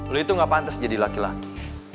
lu itu gak pantas jadi laki laki